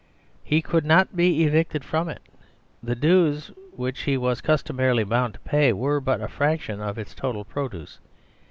He could not be evicted from it. The dues which he was customarily bound to pay were but a fraction of its total produce.